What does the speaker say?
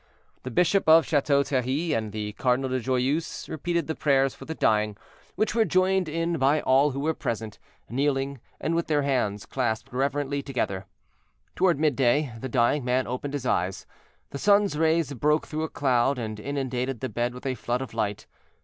The bishop of Chateau Thierry and the Cardinal de Joyeuse repeated the prayers for the dying, which were joined in by all who were present, kneeling, and with their hands clasped reverently together. Toward mid day, the dying man opened his eyes; the sun's rays broke through a cloud and inundated the bed with a flood of light.